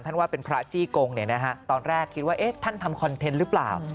ท่านว่าเป็นพระจี้กงเนี่ยนะฮะตอนแรกคิดว่าเอ๊ะท่านทำคอนเทนต์หรือเปล่า